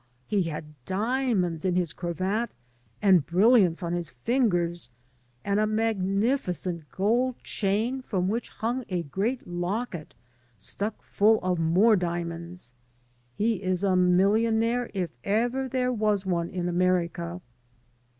He had diamonds in his cravat and brilliants on his fingers, and a magnificent gold chain from which hung a great locket stuck full of more diamonds. He is a millionaire, if ever there was one in America."